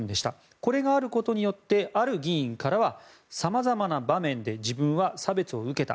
これがあることによってある議員からはさまざまな場面で自分は差別を受けた。